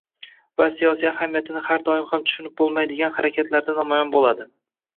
va siyosiy ahamiyatini har doim ham tushunib bo‘lmaydigan harakatlarda namoyon bo‘ladi.